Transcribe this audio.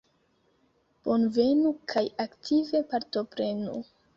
Bonvenu kaj aktive partoprenu!